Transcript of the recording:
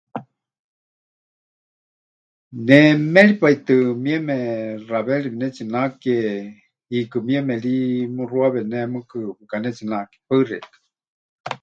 Ne méripaitɨ mieme xaweeri pɨnetsinake, hiikɨ mieme ri muxuawe ne mɨɨkɨ pɨkanetsinake. Paɨ xeikɨ́a.